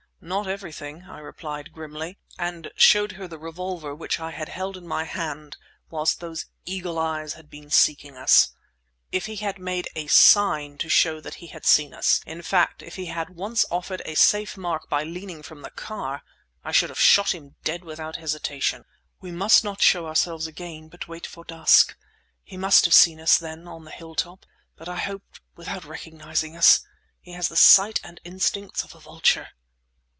"Not everything!" I replied grimly—and showed her the revolver which I had held in my hand whilst those eagle eyes had been seeking us. "If he had made a sign to show that he had seen us, in fact, if he had once offered a safe mark by leaning from the car, I should have shot him dead without hesitation!" "We must not show ourselves again, but wait for dusk. He must have seen us, then, on the hilltop, but I hope without recognizing us. He has the sight and instincts of a vulture!"